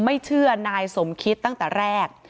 ไม่เชื่อนายสมคิดตั้งแต่แรก